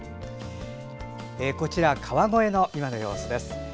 こちら、川越の今の様子です。